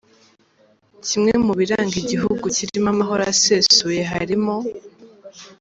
Kimwe mu biranga Igihugu kirimo amahoro asesuye harimo :.